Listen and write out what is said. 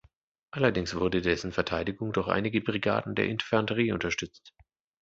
Allerdings wurde dessen Verteidigung durch einige Brigaden der Infanterie unterstützt.